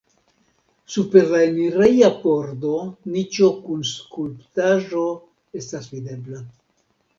Super la enireja pordo niĉo kun skulptaĵo estas videbla.